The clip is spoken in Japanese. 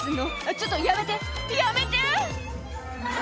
ちょっとやめてやめて！」